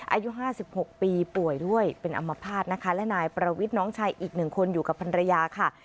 อายุ๕๖ปีป่วยด้วยเป็นอัมพาตนะคะและนายประวิทย์น้องชายอีกหนึ่งคนอยู่กับภรรยาค่ะ